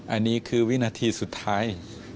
อันนี้คือวินาทีสุดท้าย